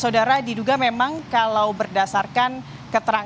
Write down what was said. sudahkah dilakukan sketsa wajah